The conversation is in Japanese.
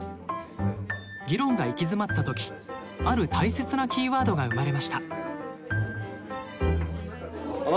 議論が行き詰まった時ある大切なキーワードが生まれました。